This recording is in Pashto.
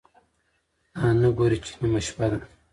دا نه ګوري چې نیمه شپه ده،